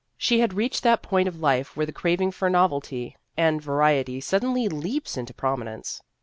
She had reached that point of life where the craving for novelty and variety suddenly leaps into prominence.